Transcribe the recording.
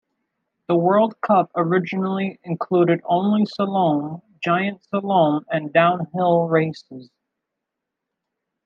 The World Cup originally included only slalom, giant slalom, and downhill races.